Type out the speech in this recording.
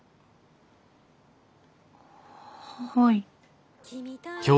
はい。